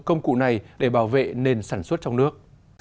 công cụ này để bảo vệ nền sản xuất trong nước